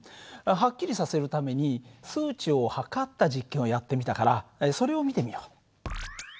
はっきりさせるために数値を測った実験をやってみたからそれを見てみよう。